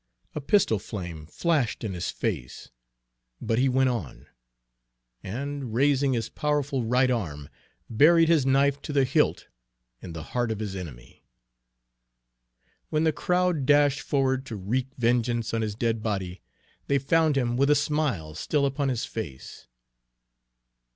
A pistol flame flashed in his face, but he went on, and raising his powerful right arm, buried his knife to the hilt in the heart of his enemy. When the crowd dashed forward to wreak vengeance on his dead body, they found him with a smile still upon his face.